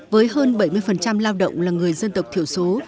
với hơn bảy mươi lao động là người dân tộc thiểu số